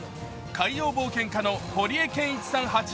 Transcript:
海洋冒険家の堀江さん